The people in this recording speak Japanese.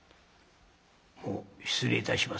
「もう失礼いたします」。